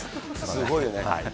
すごいね。